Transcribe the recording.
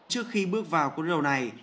trước khi bước vào cuộc đấu này